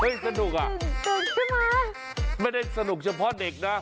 เฮ่ยสนุกเหรอคะไม่ได้สนุกเฉพาะเด็กนะ